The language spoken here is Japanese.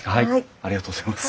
ありがとうございます。